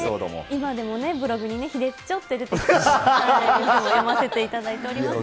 今でもブログに、ひでっちょって出てきたりするのを見せていただいております。